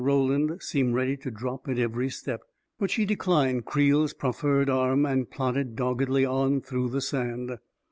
Roland seemed ready to drop at every step, but she declined Creel's proffered arm and plodded doggedly on through the sand.